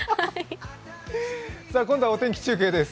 今度はお天気中継です。